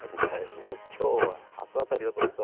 もう今日は初当たりだと思ったのに。